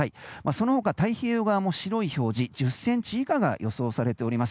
その他、太平洋側も白い表示１０ｃｍ以下が予想されております。